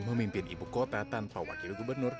memimpin ibu kota tanpa wakil gubernur